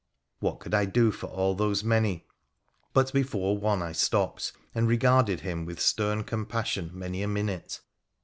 What could I do for all those many ? But before one I stopped, and regarded him with stern compassion many a minute.